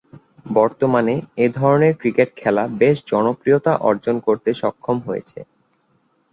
বর্তমানে এ ধরনের ক্রিকেট খেলা বেশ জনপ্রিয়তা অর্জন করতে সক্ষম হয়েছে।